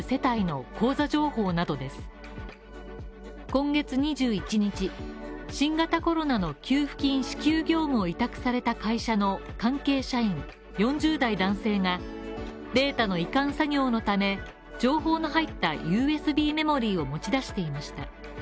今月２１日、新型コロナの給付金支給業務を委託された会社の関係社員４０代男性がデータの移管作業のため、情報の入ったＵＳＢメモリーを持ち出していました。